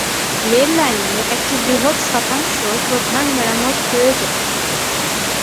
Rail লাইনের একটি বৃহৎ শতাংশ প্রধান মেরামত প্রয়োজন।